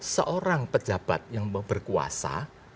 seorang pejabat yang berkuasa